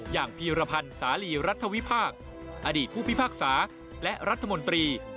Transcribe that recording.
พีรพันธ์สาลีรัฐวิพากษ์อดีตผู้พิพากษาและรัฐมนตรี